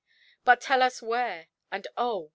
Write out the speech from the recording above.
But tell us where, and oh!